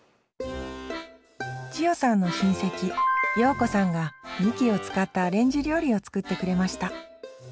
千代さんの親戚葉子さんがみきを使ったアレンジ料理を作ってくれました。